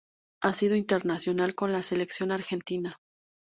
Ha sido internacional con la Selección Argentina.